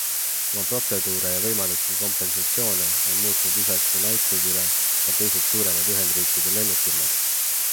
Oma protseduure ja võimalikke kompensatsioone on muutnud lisaks Unitedile ka teised suuremad Ühendriikide lennufirmad.